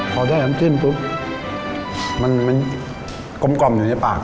พอได้น้ำจิ้มปุ๊บมันกลมอยู่ในปาก